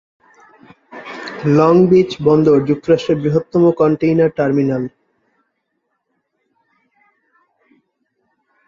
Long Beach বন্দর যুক্তরাষ্ট্রের বৃহত্তম কন্টেইনার টার্মিনাল।